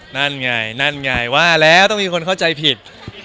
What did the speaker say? นั่นไงนั่นไงว่าแล้วต้องมีคนเข้าใจผิด